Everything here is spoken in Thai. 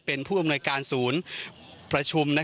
เป็นผู้อำนวยการศูนย์ประชุม